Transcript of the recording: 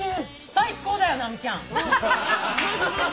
最高だよ直美ちゃん。マジマジ。